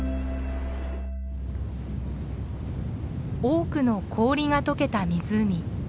多くの氷が解けた湖。